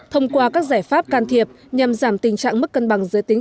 thông qua các giải pháp can thiệp nhằm giảm tình trạng mất cân bằng giới tính